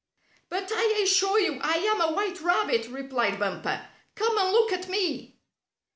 "But I assure you I am a white rabbit," replied Bumper. "Come and look at me."